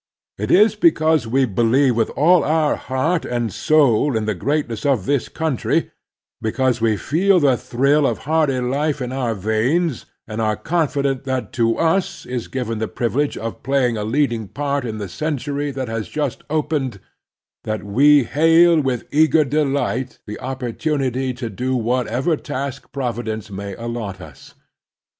It is because we believe with all our heart and soul in the greatness of this country, because we feel the thrill of hardy life in our veins, and are confident that to us is given the privilege of play ing a leading part in the century that has just opened, that we hail with eager ddight the oppor tunity to do whatever task Providence may allot us.